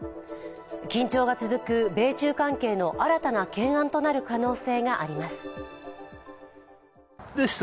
緊張が続く米中関係の新たな懸案となる可能性があります。